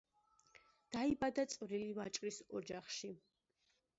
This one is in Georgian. დაიბადა წვრილი ვაჭრის ოჯახში.